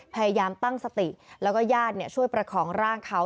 พยายามตั้งสติแล้วก็ญาติช่วยประคองร่างเขา